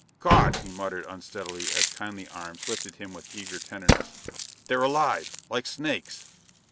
"God!" he muttered unsteadily as kindly arms lifted him with eager tenderness. "They're alive! Like snakes.